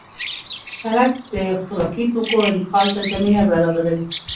سړک د خوراکي توکو انتقال ته زمینه برابروي.